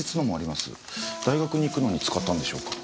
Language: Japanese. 大学に行くのに使ったんでしょうか？